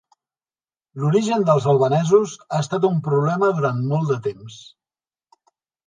L'origen dels albanesos ha estat un problema durant molt de temps.